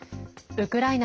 ウクライナ